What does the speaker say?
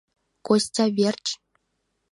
Костя верч?